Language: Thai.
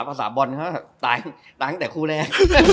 ภาษาบอลเขาตายตั้งแต่คู่แรก